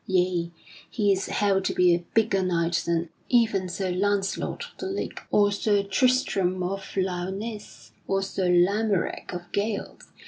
Yea; he is held to be a bigger knight than even Sir Launcelot of the Lake or Sir Tristram of Lyonesse or Sir Lamorack of Gales.